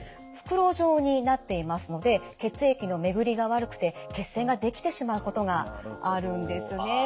袋状になっていますので血液の巡りが悪くて血栓ができてしまうことがあるんですね。